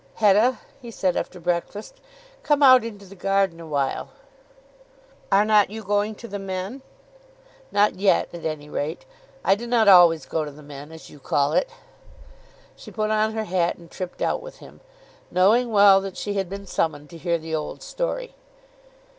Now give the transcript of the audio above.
"Hetta," he said after breakfast, "come out into the garden awhile." "Are not you going to the men?" "Not yet, at any rate. I do not always go to the men as you call it." She put on her hat and tripped out with him, knowing well that she had been summoned to hear the old story.